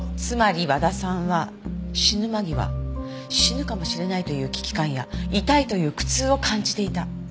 つまり和田さんは死ぬ間際死ぬかもしれないという危機感や痛いという苦痛を感じていた。